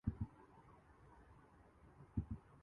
پس آپ کو روزانہ کے مطابق اپنا سمارٹ فون استعمال کر ہے